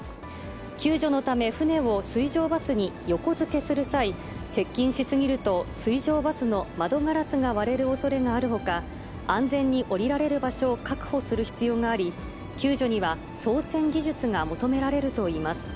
救助のため、船を水上バスに横付けする際、接近し過ぎると、水上バスの窓ガラスが割れるおそれがあるほか、安全に降りられる場所を確保する必要があり、救助には操船技術が求められるといいます。